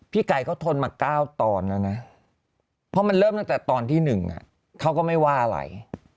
ไก่เขาทนมา๙ตอนแล้วนะเพราะมันเริ่มตั้งแต่ตอนที่๑เขาก็ไม่ว่าอะไร